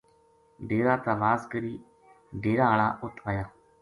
ڈیرا تا واز کری ڈیرا ہالا اُت آیا